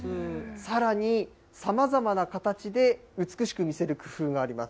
さらに、さまざまな形で美しく見せる工夫があります。